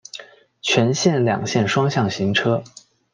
全线两线双向行车。